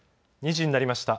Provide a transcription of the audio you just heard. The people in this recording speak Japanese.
２時になりました。